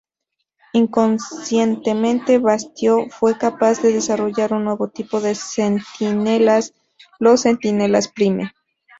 Inconscientemente, Bastión fue capaz de desarrollar un nuevo tipo de Centinelas, los Centinelas Prime.